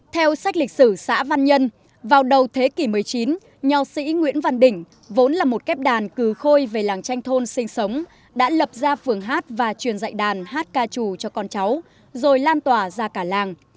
theo sách lịch sử xã văn nhân vào đầu thế kỷ một mươi chín nho sĩ nguyễn văn đỉnh vốn là một kép đàn cừ khôi về làng tranh thôn sinh sống đã lập ra phường hát và truyền dạy đàn hát ca trù cho con cháu rồi lan tỏa ra cả làng